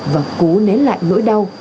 và cố nến lại nỗi đau